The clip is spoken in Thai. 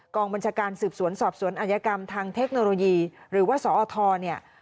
กองบัญชาการสืบสวนสอบสวนอายกรรมทางเทคโนโลยีหรือว่าสอทเนี่ย